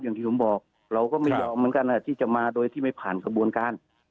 อย่างที่ผมบอกเราก็ไม่ยอมเหมือนกันที่จะมาโดยที่ไม่ผ่านกระบวนการ